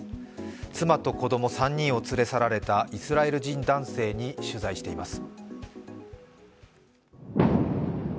妻と子供３人を連れ去られたイスラエル人男性に取材しています。